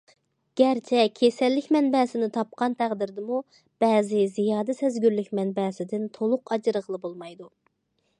گەرچە كېسەللىك مەنبەسىنى تاپقان تەقدىردىمۇ، بەزى زىيادە سەزگۈرلۈك مەنبەسىدىن تولۇق ئاجرىغىلى بولمايدۇ.